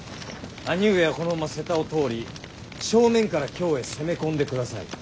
兄上はこのまま勢多を通り正面から京へ攻め込んでください。